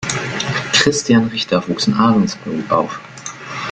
Christian Richter wuchs in Ahrensburg auf.